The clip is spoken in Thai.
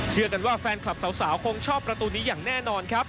เชื่อกันว่าแฟนคลับสาวคงชอบประตูนี้อย่างแน่นอนครับ